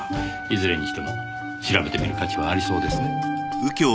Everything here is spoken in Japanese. いずれにしても調べてみる価値はありそうですね。